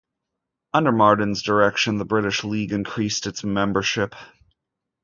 Under Martin's direction the British League increased its membership.